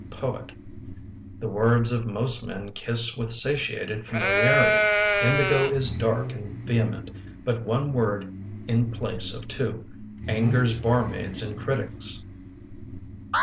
Poet The words of most men kiss With satiated familiarity. Indigo is dark and vehement, But one word in place of two Angers barmaids and critics.